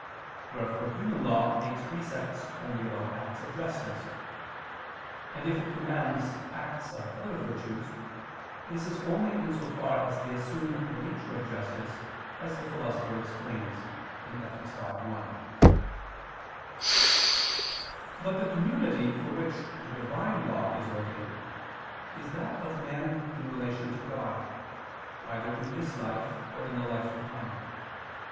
Wherefore human law makes precepts only about acts of justice; and if it commands acts of other virtues, this is only in so far as they assume the nature of justice, as the Philosopher explains (Ethic. v, 1). But the community for which the Divine law is ordained, is that of men in relation to God, either in this life or in the life to come.